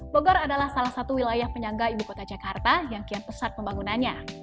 bogor adalah salah satu wilayah penyangga ibu kota jakarta yang kian pesat pembangunannya